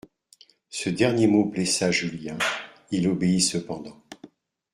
Ce dernier mot blessa Julien, il obéit cependant.